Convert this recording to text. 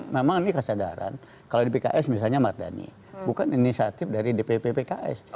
memang ini kesadaran kalau di pks misalnya mardani bukan inisiatif dari dpp pks